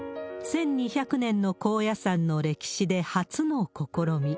１２００年の高野山の歴史で初の試み。